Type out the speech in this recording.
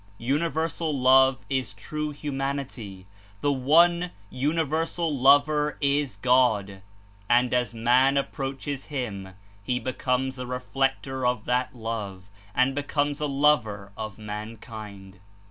Universal love Is true humanity. The One Uni versal Lover Is God, and as man approaches him, he becomes a reflector of that love, and becomes a lover of mankind.